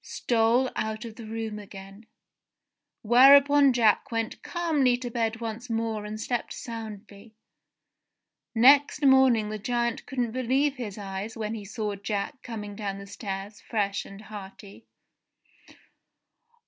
stole out of the room again ; whereupon Jack went calmly to bed once more and slept soundly ! Next morning the giant couldn't believe his eyes when he saw Jack coming down the stairs fresh and hearty.